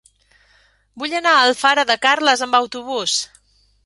Vull anar a Alfara de Carles amb autobús.